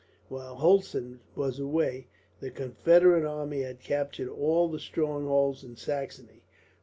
While Hulsen was away, the Confederate army had captured all the strongholds in Saxony.